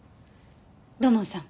土門さん